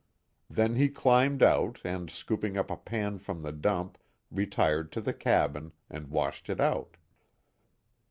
Then he climbed out and, scooping up a pan from the dump, retired to the cabin, and washed it out.